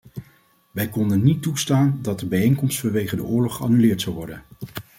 Wij konden niet toestaan dat de bijeenkomst vanwege de oorlog geannuleerd zou worden.